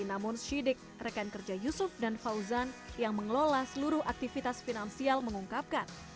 namun syidik rekan kerja yusuf dan fauzan yang mengelola seluruh aktivitas finansial mengungkapkan